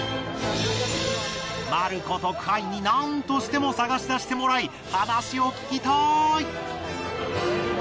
マルコ特派員になんとしても探し出してもらい話を聞きたい！